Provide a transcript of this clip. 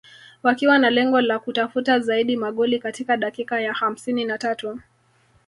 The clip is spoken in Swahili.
wakiwa na lengo la kutafuta zaidi magoli katika dakika ya hamsini na tatu